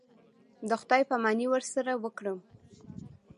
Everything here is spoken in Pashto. د خداى پاماني ورسره وكړم.